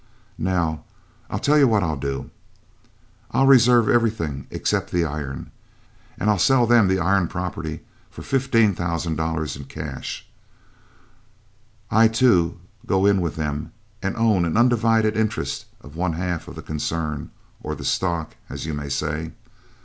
Now, I'll tell you what I'll do. I'll reserve everything except the iron, and I'll sell them the iron property for $15,000 cash, I to go in with them and own an undivided interest of one half the concern or the stock, as you may say.